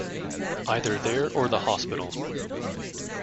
Either there or the hospital.